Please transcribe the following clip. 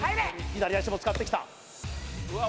左足も使ってきたうわ